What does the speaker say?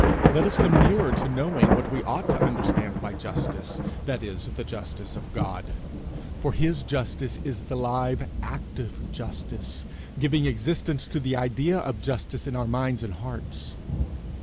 Let us come nearer to knowing what we ought to understand by justice, that is, the justice of God; for his justice is the live, active justice, giving existence to the idea of justice in our minds and hearts.